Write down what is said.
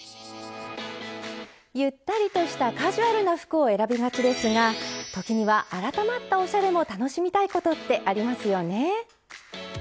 ゆったりとしたカジュアルな服を選びがちですが時には改まったおしゃれも楽しみたいことってありますよね。